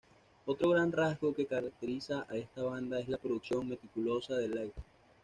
Otro gran rasgo que caracteriza a esta banda es la producción meticulosa de Lytle.